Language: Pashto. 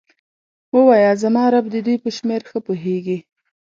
ووایه زما رب د دوی په شمیر ښه پوهیږي.